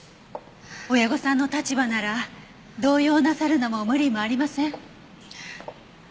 親御さんの立場なら動揺なさるのも無理もありません。